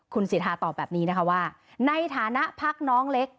คุณสิทธาตอบแบบนี้นะคะว่าในฐานะพักน้องเล็ก